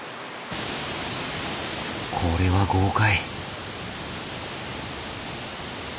これは豪快。